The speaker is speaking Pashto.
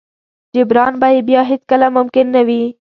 جبران به يې بيا هېڅ کله ممکن نه وي.